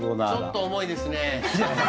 ちょっと重いですね